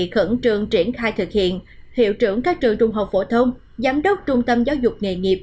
khẩn trương triển khai thực hiện hiệu trưởng các trường trung học phổ thông giám đốc trung tâm giáo dục nghề nghiệp